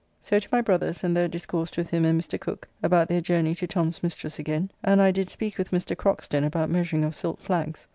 So to my brother's, and there discoursed with him and Mr. Cooke about their journey to Tom's mistress again, and I did speak with Mr. Croxton about measuring of silk flags.